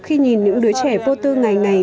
khi nhìn những đứa trẻ vô tư ngày ngày